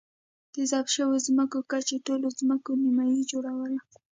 د ضبط شویو ځمکو کچې ټولو ځمکو نییمه جوړوله.